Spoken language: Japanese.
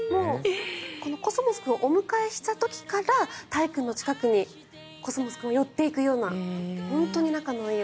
このコスモス君をお迎えした時からたい君の近くにコスモス君が寄っていくような本当に仲のいい。